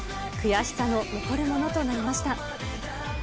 悔しさの残るものとなりました。